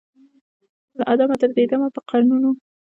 له آدمه تر دې دمه په قرنونو